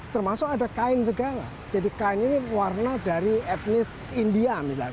termasuk ada kain segala jadi kain ini warna dari etnis india